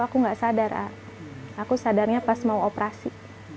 aku nggak sadar aku sadarnya pas mau operasi